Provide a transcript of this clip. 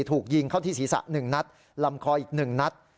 ถูกยิงเข้าที่ศีรษะ๑นัดลำคออีก๑นัด